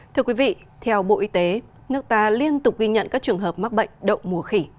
thưa quý vị theo bộ y tế nước ta liên tục ghi nhận các trường hợp mắc bệnh đậu mùa khỉ